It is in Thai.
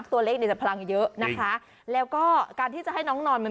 ขี้เศร้า